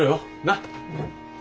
なっ？